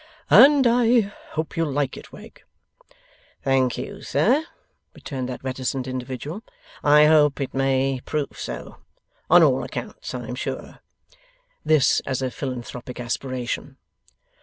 'And I hope you'll like it, Wegg.' 'Thank you, sir,' returned that reticent individual. 'I hope it may prove so. On all accounts, I am sure.' (This, as a philanthropic aspiration.)